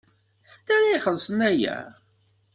Anta ara ixellṣen aya?